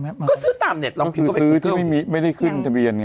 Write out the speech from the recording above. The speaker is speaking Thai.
ก็ซื้อตามเน็ตเราคือซื้อที่ไม่ได้ขึ้นทะเบียนไง